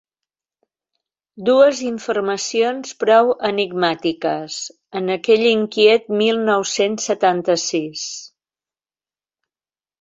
Dues informacions prou enigmàtiques en aquell inquiet mil nou-cents setanta-sis.